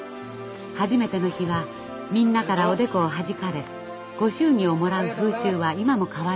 初めての日はみんなからおでこをはじかれご祝儀をもらう風習は今も変わりません。